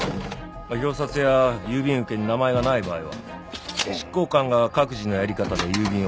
表札や郵便受けに名前がない場合は執行官が各自のやり方で郵便をチェックしたり。